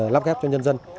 lắp ghép cho nhân dân